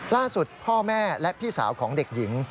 ล่าสุดพ่อแม่และพี่สาวของเด็กหญิง